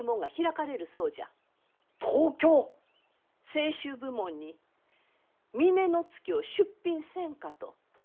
清酒部門に峰乃月を出品せんかと。